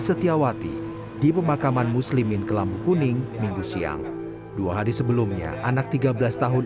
setiawati di pemakaman muslimin kelambu kuning minggu siang dua hari sebelumnya anak tiga belas tahun